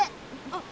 あっ。